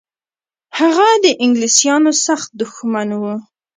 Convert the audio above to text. هغه د انګلیسانو سخت دښمن و.